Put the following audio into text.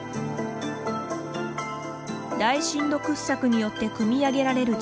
大深度掘削によってくみ上げられる地下水。